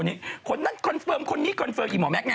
เอาไปทิ้งกันแล้วว่ะ